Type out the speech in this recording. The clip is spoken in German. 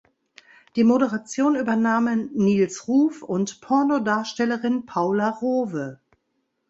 Die Moderation übernahmen Niels Ruf und Pornodarstellerin Paula Rowe.